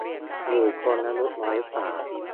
หรือคนอายุน้อยกว่า